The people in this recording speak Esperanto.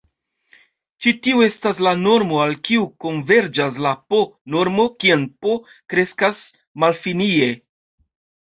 Ĉi tiu estas la normo al kiu konverĝas la "p"-normo kiam "p" kreskas malfinie.